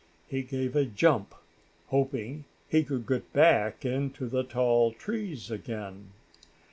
He gave a jump, hoping he could get back into the tall trees again.